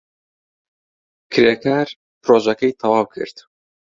کرێکار پرۆژەکەی تەواو کرد.